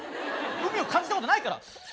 海を感じたことないから。